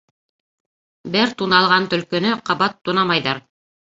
Бер туналған төлкөнө ҡабат тунамайҙар.